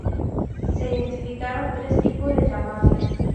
Se identificaron tres tipos de llamado.